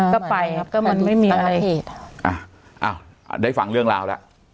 ก็ไปครับก็มันไม่มีอะไรผิดอ่ะอ้าวได้ฟังเรื่องราวแล้ว